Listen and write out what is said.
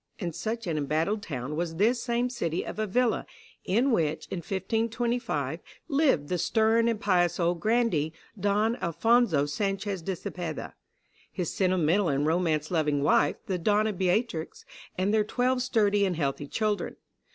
And such an embattled town was this same city of Avila, in which, in 1525, lived the stern and pious old grandee, Don Alphonso Sanchez de Cepeda, his sentimental and romance loving wife, the Donna Beatrix, and their twelve sturdy and healthy children.